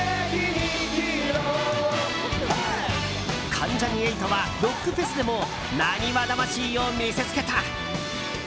関ジャニ∞はロックフェスでも浪速魂を見せつけた。